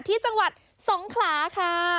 ที่จังหวัดสงขลาค่ะ